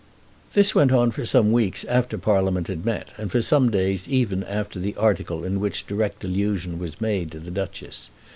This went on for some weeks after Parliament had met, and for some days even after the article in which direct allusion was made to the Duchess.